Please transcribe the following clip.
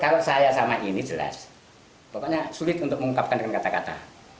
kalau saya sama ini jelas pokoknya sulit untuk mengungkapkan dengan kata kata